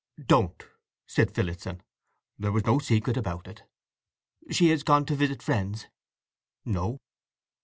"Don't," said Phillotson. "There was no secret about it." "She has gone to visit friends?" "No."